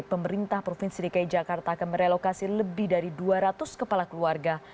pemerintah provinsi dki jakarta akan merelokasi lebih dari dua ratus kepala keluarga